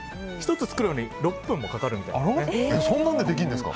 １つ作るのに６分もかかるそうです。